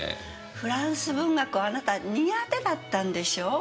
フランス文学をあなた苦手だったんでしょう。